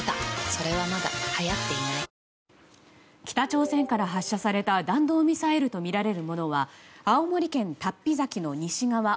北朝鮮から発射された弾道ミサイルとみられるものは青森県龍飛崎の西側